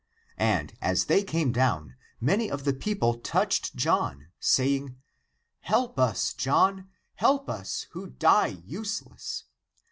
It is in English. And as they came down, many of the people touched John, say ing, " Help us, John, help us who die useless